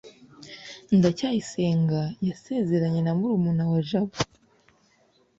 ndacyayisenga yasezeranye na murumuna wa jabo